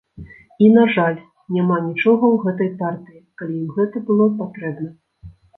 І, на жаль, няма нічога ў гэтай партыі, калі ім гэта было патрэбна.